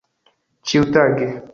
ĉiutage